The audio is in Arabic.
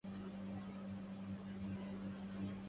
وَلا المُعَزّي وَإِن عاشا إِلى حينِ